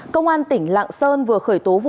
công an tỉnh lạng sơn vừa khởi tố vụ